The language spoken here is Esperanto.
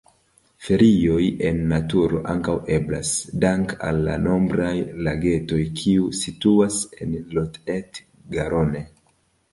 Ferioj en naturo ankaŭ eblas, dank'al la nombraj lagetoj kiuj situas en Lot-et-Garonne.